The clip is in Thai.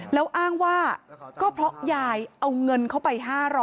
แล้วอ้างว่าก็เพราะยายเอาเงินเข้าไป๕๐๐